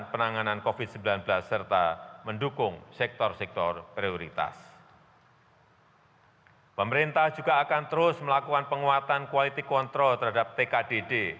pemerintah juga akan terus melakukan penguatan quality control terhadap tkdd